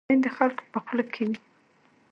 خاین د خلکو په خوله کې وي